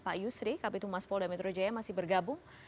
pak yusri kapitun mas polda metro jaya masih bergabung